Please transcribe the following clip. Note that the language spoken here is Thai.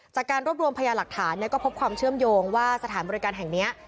จากการรวบรวมพยาหลักฐานก็พบความเชื่อมโยงว่าสถานบริการแห่งนี้